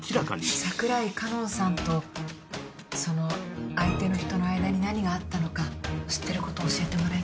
「櫻井佳音さんとその相手の人の間に何があったのか知ってること教えてもらいたいの」